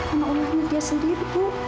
karena orangnya dia sendiri bu